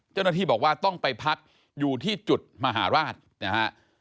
เจ้าหน้าที่บอกว่าต้องไปพักอยู่ที่จุดมหาราชนะฮะ